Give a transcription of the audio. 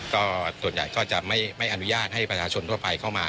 ก็ส่วนใหญ่ก็จะไม่อนุญาตให้ประชาชนทั่วไปเข้ามา